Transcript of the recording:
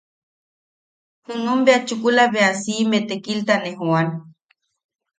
Junum bea chukula bea siime tekilta ne joan.